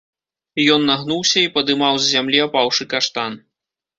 Ён нагнуўся і падымаў з зямлі апаўшы каштан.